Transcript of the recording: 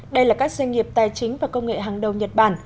đây là các doanh nghiệp tài chính và công nghệ hàng đầu nhật bản